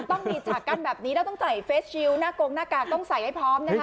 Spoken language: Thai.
ต้องมีฉากกั้นแบบนี้แล้วต้องใส่เฟสชิลหน้ากงหน้ากากต้องใส่ให้พร้อมนะคะ